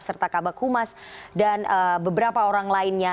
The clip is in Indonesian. serta kabak humas dan beberapa orang lainnya